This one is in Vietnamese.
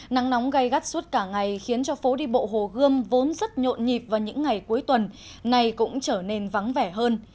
nắng nóng gây gắt suốt cả ngày khiến cho phố đi bộ hồ gươm vốn rất nhộn nhịp vào những ngày cuối tuần nay cũng trở nên vắng vẻ hơn